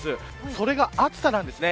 それが暑さなんですね。